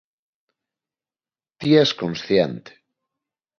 Ti es consciente.